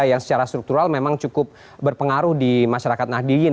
yang secara struktural memang cukup berpengaruh di masyarakat nahdiyin